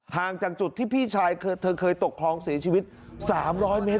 ห่างจากจุดที่พี่ชายเธอเคยตกคลองเสียชีวิต๓๐๐เมตร